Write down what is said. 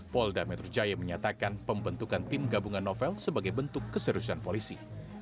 polda metro jaya menyatakan pembentukan tim gabungan novel sebagai bentuk keseriusan polisi